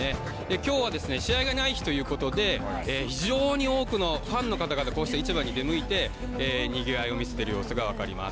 今日は試合がない日ということで、非常に多くのファンの方がこうして市場に出向いて、にぎわいを見せている様子が分かります。